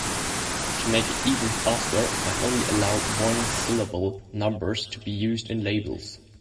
To make it even faster, I only allow one-syllable numbers to be used in labels.